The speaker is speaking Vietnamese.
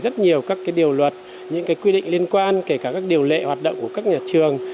rất nhiều các điều luật những quy định liên quan kể cả các điều lệ hoạt động của các nhà trường